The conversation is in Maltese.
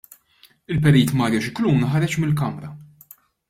Il-Perit Mario Scicluna ħareġ mill-Kamra.